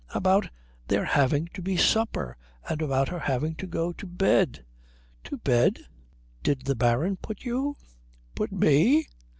"About there having to be supper, and about her having to go to bed." "To bed?" "Did the Baron put you?" "Put me?"